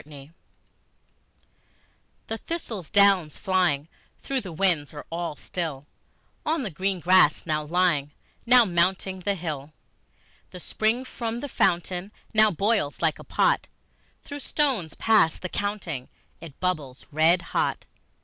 Autumn The thistle down's flying, though the winds are all still, On the green grass now lying, now mounting the hill, The spring from the fountain now boils like a pot; Through stones past the counting it bubbles red hot.